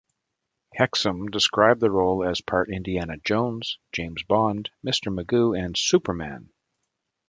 Hexum described the role as part Indiana Jones, James Bond, Mr. Magoo, and Superman.